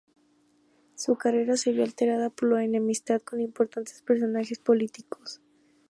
Su carrera se vio alterada por la enemistad con importantes personajes políticos.